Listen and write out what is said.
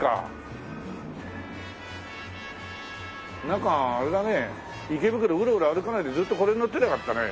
なんかあれだね池袋うろうろ歩かないでずっとこれに乗ってりゃよかったね。